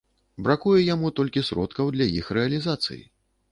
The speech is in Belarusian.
Бракуе яму толькі сродкаў для іх рэалізацыі.